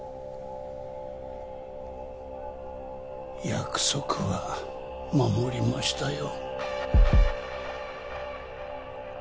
約束は守りましたよ